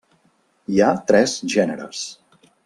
Hi ha tres gèneres.